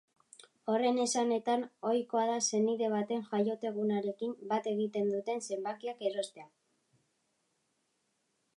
Horren esanetan, ohikoa da senide baten jaiotegunarekin bat egiten duten zenbakiak erostea.